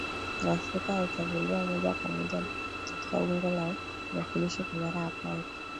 Waafrika walichaguliwa moja kwa moja katika bunge la uwakilishi kwa mara ya kwanza